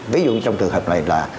ví dụ trong trường hợp này là